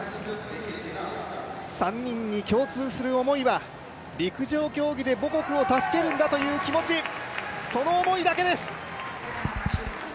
３人に共通する思いは陸上競技で母国を助けるんだという気持ち、その思いだけです！